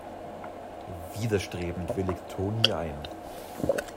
Widerstrebend willigt Toni ein.